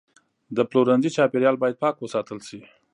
د پلورنځي چاپیریال باید پاک وساتل شي.